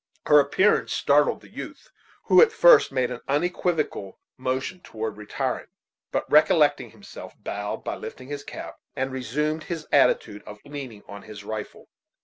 Her appearance startled the youth, who at first made an unequivocal motion toward retiring, but, recollecting himself, bowed, by lifting his cap, and resumed his attitude of leaning on his rifle.